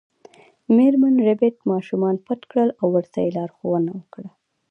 میرمن ربیټ ماشومان پټ کړل او ورته یې لارښوونه وکړه